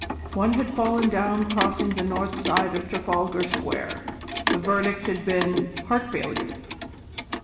One had fallen down crossing the north side of Trafalgar Square: the verdict had been heart failure.